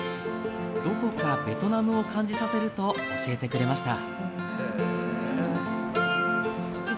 どこかベトナムを感じさせると教えてくれました。